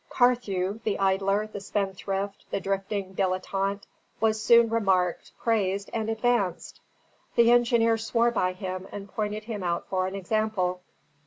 Carthew, the idler, the spendthrift, the drifting dilettant, was soon remarked, praised, and advanced. The engineer swore by him and pointed him out for an example.